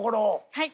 はい。